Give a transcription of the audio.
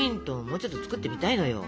もうちょっと作ってみたいのよ。